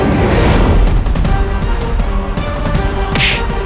aku akan menangkapmu ini saja